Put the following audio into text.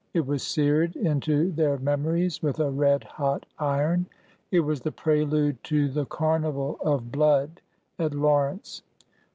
It was seared into their memories with a red hot iron. It was the prelude to the carnival of blood at Lawrence.